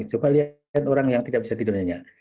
coba lihat orang yang tidak bisa tidur hanya